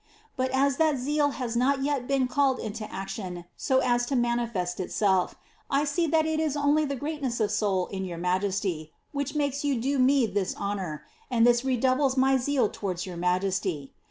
But as that zeal has not 3ret been called into action so as to manifest itself, I see well that it it only the greamess of soul in your majesty which makes you do me this honour, and this redoubles my seal towaids your majesty.